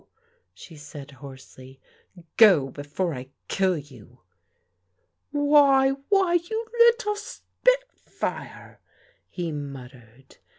" she said hoarsely. " Go before I kill you." Why, why, you little spitfire! " he muttered.